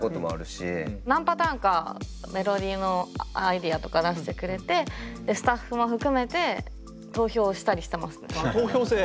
何パターンかメロディーのアイデアとか出してくれてスタッフも含めて投票制。